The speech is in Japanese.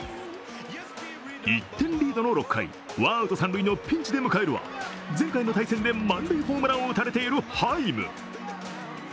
１点リードの６回、ワンアウト三塁のピンチを迎えるは前回の対戦で満塁ホームランを打たれているハイム。